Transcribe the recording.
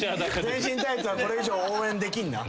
全身タイツはこれ以上応援できんな。